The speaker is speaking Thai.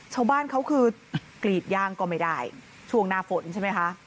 ชาวบ้านเขาคือกรีดย่างก็ไม่ได้ช่วงหน้าฝนใช่ไหมคะ